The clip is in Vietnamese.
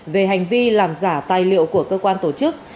về hành vi làm giả tài liệu của cơ quan tổ chức